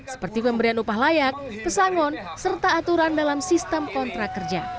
seperti pemberian upah layak pesangon serta aturan dalam sistem kontrak kerja